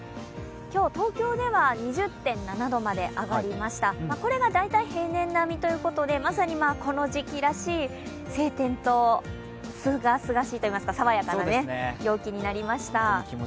今日、東京では２０．７度まで上がりこれが平年並みということでこの時期らしい晴天というかすがすがしい、爽やかな陽気になりました。